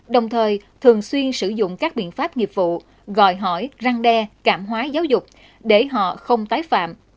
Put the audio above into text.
đồng thời thường xuyên sử dụng các biện pháp nghiệp vụ đòi hỏi răng đe cảm hóa giáo dục để họ không tái phạm